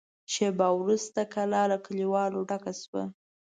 شېبه وروسته کلا له کليوالو ډکه شوه.